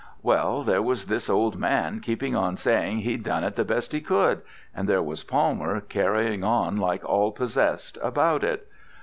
Well, there was this man keeping on saying he'd done it the best he could, and there was Palmer carrying on like all possessed about it.